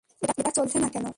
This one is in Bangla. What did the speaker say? এটা চলছে না কেন?